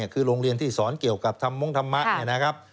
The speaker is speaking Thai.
คือโรงเรียนที่สอนเกี่ยวกับธรรมทมนะครับ